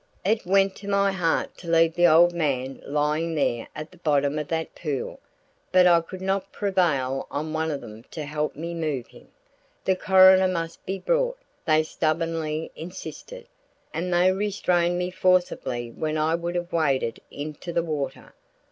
It went to my heart to leave the old man lying there at the bottom of that pool, but I could not prevail on one of them to help me move him. The coroner must be brought, they stubbornly insisted, and they restrained me forcibly when I would have waded into the water.